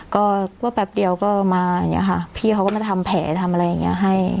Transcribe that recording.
ก็แป๊บเดียวก็มาอย่างนี้ค่ะพี่เขาก็มาทำแผลทำอะไรอย่างเงี้ยให้